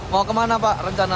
mau kemana pak rencana